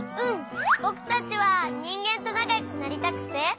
ぼくたちはにんげんとなかよくなりたくて。